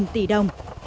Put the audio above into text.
sáu mươi tỷ đồng